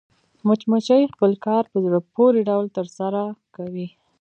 مچمچۍ خپل کار په زړه پورې ډول ترسره کوي